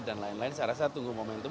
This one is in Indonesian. dan lain lain saya rasa tunggu momentum